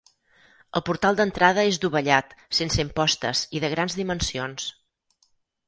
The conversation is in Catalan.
El portal d'entrada és dovellat, sense impostes i de grans dimensions.